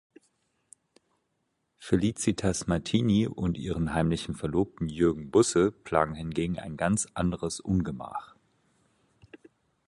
Felicitas Martini und ihren heimlichen Verlobten Jürgen Busse plagen hingegen ein ganz anderes Ungemach.